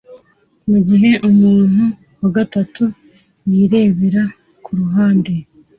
mugihe umuntu wa gatatu yirebera kuruhande